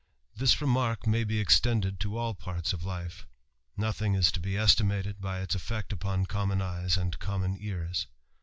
This remark may be extended to all parts of life. Nothing is to be estimated by ils effect upon common eyes and common ears.